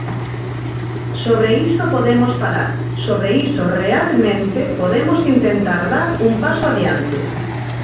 Sobre iso podemos falar, sobre iso realmente podemos intentar dar un paso adiante.